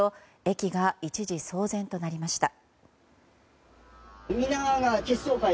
駅が一時騒然となりました。